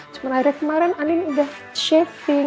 cuma akhirnya kemaren anin udah shaving